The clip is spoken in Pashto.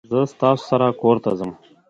زه ستاسو سره کورته ځم